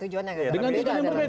ya dengan tujuannya agak berbeda ya